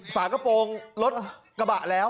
ฝากระโปรงรถกระบะแล้ว